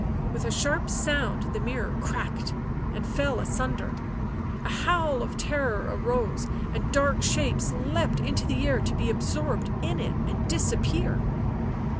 With a sharp sound the mirror cracked and fell asunder ; a howl of terror arose, and dark shapes leapt into the air to be absorbed in it and disappear.